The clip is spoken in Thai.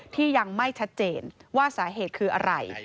ที่ยังไม่ชัดเจนว่าสาเหตุคืออะไร